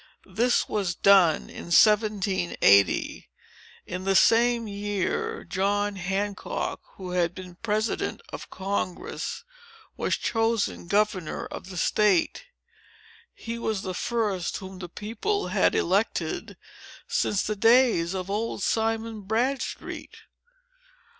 This was done in 1780. In the same year, John Hancock, who had been president of Congress, was chosen governor of the state. He was the first whom the people had elected, since the days of old Simon Bradstreet."